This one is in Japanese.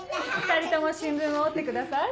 ２人とも新聞を折ってください。